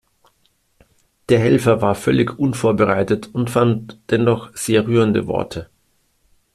Der Helfer war völlig unvorbereitet und fand dennoch sehr rührende Worte.